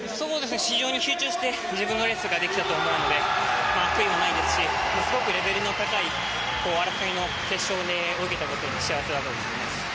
非常に集中して自分のレースができたと思いますし悔いはないですしすごくレベルの高い争いの決勝で泳げたことを幸せに思います。